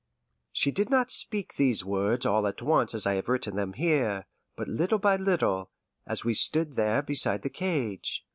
'" She did not speak these words all at once as I have written them here, but little by little, as we stood there beside the cage.